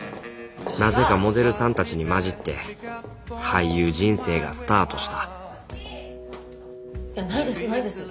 なぜかモデルさんたちに混じって俳優人生がスタートしたいやないですないです。